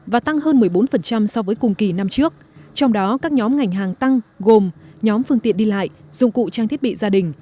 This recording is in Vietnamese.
và tăng hơn một mươi bốn so với cùng kỳ năm trước trong đó các nhóm ngành hàng tăng gồm nhóm phương tiện đi lại dụng cụ trang thiết bị gia đình